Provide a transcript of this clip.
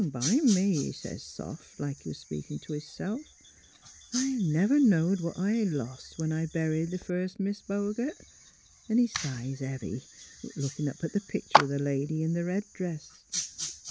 Bimeby, he sez, soft, like he was speakin' t' hisself, ' I never knowed what I lost when I buried th' first Mis' Bogert;' an' he sighs heavy, lookin' up at th' pictur' o' th' lady in th' red dress.